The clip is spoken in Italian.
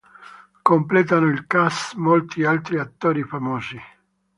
Completano il "cast" molti altri attori famosi.